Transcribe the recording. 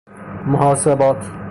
محاسبات